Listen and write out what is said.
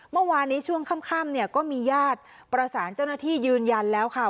เมื่อวานนี้ช่วงค่ำเนี่ยก็มีญาติประสานเจ้าหน้าที่ยืนยันแล้วค่ะ